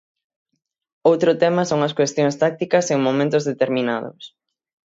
Outro tema son as cuestións tácticas en momentos determinados.